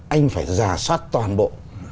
anh phải ra soát toàn bộ